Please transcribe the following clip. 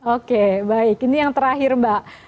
oke baik ini yang terakhir mbak